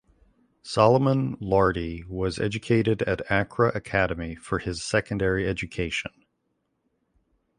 Solomon Lartey was educated at Accra Academy for his secondary education.